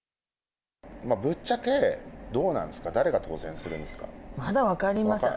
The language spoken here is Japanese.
ぶっちゃけ、どうなんですか、まだ分かりません。